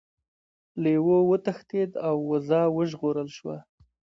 لیوه وتښتید او وزه وژغورل شوه.